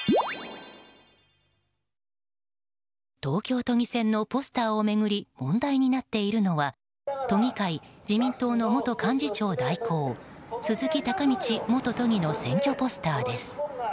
東京都議選のポスターを巡り問題になっているのは都議会・自民党の元幹事長代行鈴木隆道元都議の選挙ポスターです。